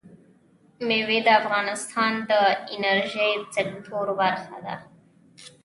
مېوې د افغانستان د انرژۍ سکتور برخه ده.